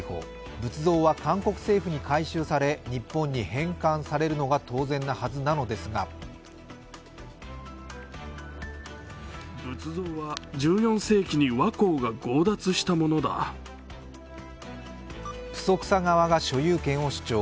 仏像は韓国政府に回収され、日本に返還されるのが当然なはずなのですがプソクサ側が所有権を主張。